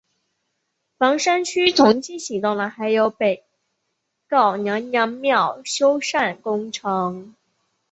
房山区同期启动的还有北窖娘娘庙修缮工程。